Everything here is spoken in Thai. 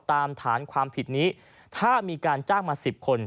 ฐานความผิดนี้ถ้ามีการจ้างมา๑๐คน